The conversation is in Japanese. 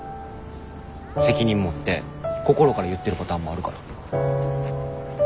責任持って心から言ってるパターンもあるから。